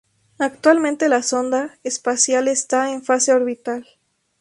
Actualmente la sonda espacial está en fase orbital.